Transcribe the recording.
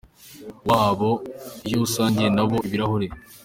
wabo iyo usangiye nabo ibirahure.